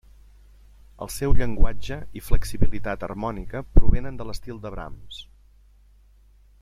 El seu llenguatge i flexibilitat harmònica provenen de l'estil de Brahms.